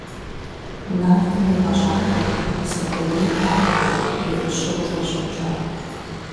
Нартым игъэщӀагъуэт Сэтэней хахуэу, ерыщу къызэрыщӀэкӀар.